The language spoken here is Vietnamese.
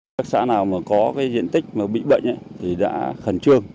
các xã nào có diện tích bị bệnh thì đã khẩn trương